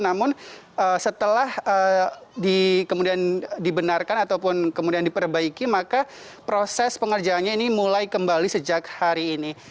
namun setelah kemudian dibenarkan ataupun kemudian diperbaiki maka proses pengerjaannya ini mulai kembali sejak hari ini